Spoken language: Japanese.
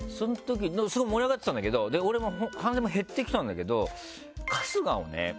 スゴい盛り上がってたんだけど俺も反省も減ってきたんだけど春日をね